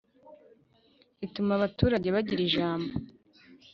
ituma abaturage bagira ijambo